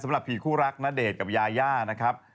ผีคู่รักณเดชน์กับยาย่านะครับ